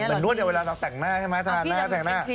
เหมือนมีนวดเวลาเราแต่งหน้าใช่ไหม